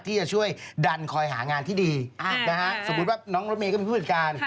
ที่จะช่วยดันคอยหางานที่ดีสมมุติว่าน้องรถเมย์ก็เป็นผู้จัดการ